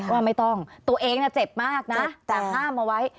ว่าไม่ต้องตัวเองเจ็บมากนะแต่ห้ามเอาไว้